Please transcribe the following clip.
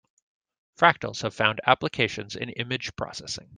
Fractals have found applications in image processing.